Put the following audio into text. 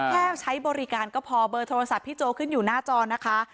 แค่ใช้บริการก็พอเบอร์โทรศัพท์พี่โจขึ้นอยู่หน้าจอนะคะ